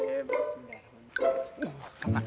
eh mas ini